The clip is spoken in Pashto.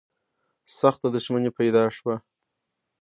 سخته دښمني پیدا شوه